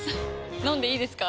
飲んでいいですか？